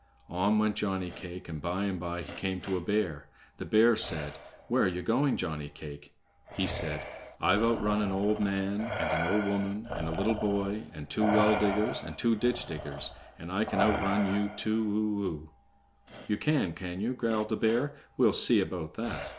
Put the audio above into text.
On went Johnny cake, and by and by he came to a bear. The bear said: "Where are ye going, Johnny cake?" He said: "I've outrun an old man, and an old woman, and a little boy, and two well diggers, and two ditch diggers, and I can outrun you too o o!" "Ye can, can ye?" growled the bear. "We'll see about that!"